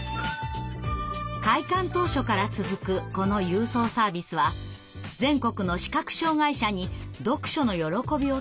開館当初から続くこの郵送サービスは全国の視覚障害者に読書の喜びを届けてきました。